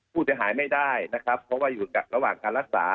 ผู้เสียหายไม่ได้นะครับเพราะว่าอยู่ระหว่างการรักษา